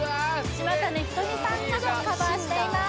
島谷ひとみさんなどカバーしています